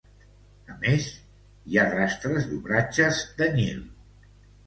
A més, hi ha rastres d'obratges d'anyil.